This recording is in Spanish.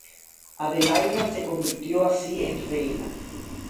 Adelaida se convirtió así en reina.